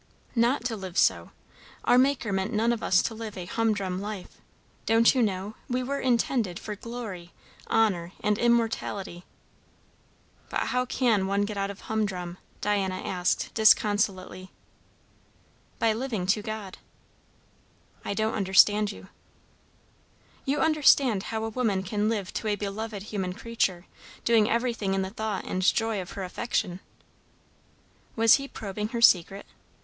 "Not to live so. Our Maker meant none of us to live a humdrum life; don't you know, we were intended for 'glory, honour, and immortality'?" "How can one get out of humdrum?" Diana asked disconsolately. "By living to God." "I don't understand you." "You understand how a woman can live to a beloved human creature, doing everything in the thought and the joy of her affection." Was he probing her secret?